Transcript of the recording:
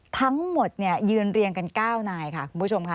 ทั้งหมดเนี่ยยืนเรียงกันก้าวนายค่ะคุณผู้ชมค่ะ